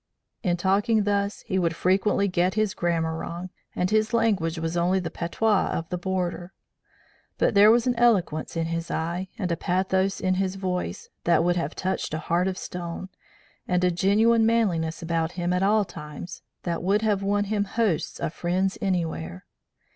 In talking thus he would frequently get his grammar wrong, and his language was only the patois of the Border; but there was an eloquence in his eye, and a pathos in his voice, that would have touched a heart of stone, and a genuine manliness about him at all times, that would have won him hosts of friends anywhere.